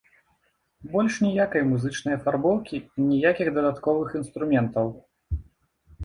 Больш ніякай музычнай афарбоўкі і ніякіх дадатковых інструментаў.